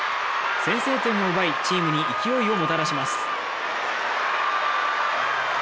先制点を奪い、チームに勢いをもたらします。